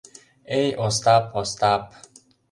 Эй, Остап, Остап!